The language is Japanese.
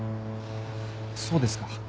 そうですか。